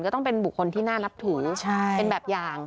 ต้องเป็นบุคคลที่น่านับถือเป็นแบบอย่าง